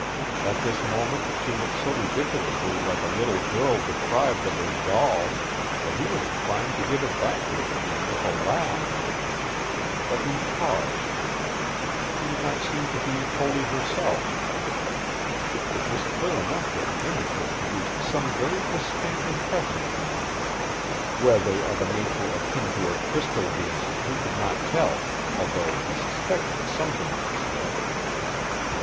At this moment she looked so ridiculously like a little girl deprived of her doll that he was inclined to give it back to her again with a laugh. But he paused. She did not seem to be wholly herself. It was clear enough that the image had produced some very distinct impression upon her whether of a nature akin to her crystal gazing he could not tell, although he suspected something of the sort.